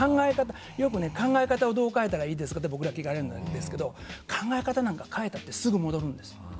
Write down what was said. よく、考え方をどう変えたらいいですかと聞かれるんですけど考え方なんか変えたってすぐに戻るんです。